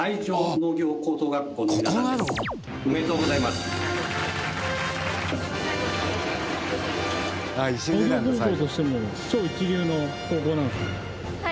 農業高校としても超一流の高校なんですね。